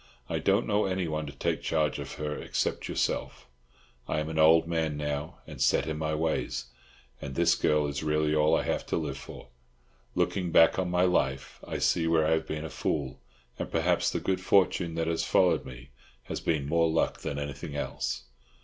I don't know anyone to take charge of her except yourself. I am an old man now, and set in my ways, and this girl is really all I have to live for. Looking back on my life, I see where I have been a fool; and perhaps the good fortune that has followed me has been more luck than anything else.